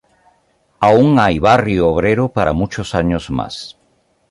Aún hay Barrio Obrero para muchos años más...